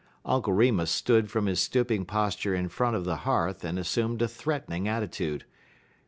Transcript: Uncle Remus rose from his stooping posture in front of the hearth and assumed a threatening attitude.